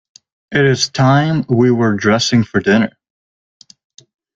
It is time we were dressing for dinner.